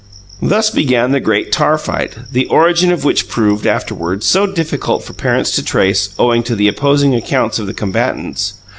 Thus began the Great Tar Fight, the origin of which proved, afterward, so difficult for parents to trace, owing to the opposing accounts of the combatants.